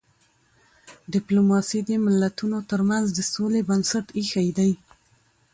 ډيپلوماسي د ملتونو ترمنځ د سولي بنسټ ایښی دی.